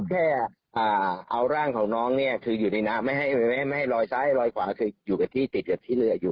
แค่เอาร่างของน้องเนี่ยคืออยู่ในน้ำไม่ให้ลอยซ้ายลอยขวาก็คืออยู่กับที่ติดกับที่เหลืออยู่